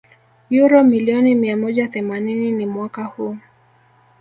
uro milioni mia moja themani ni Mwaka huu